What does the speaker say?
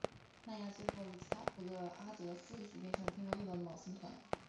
迈亚最后与其他普勒阿得斯一起变成了天空中的昴星团。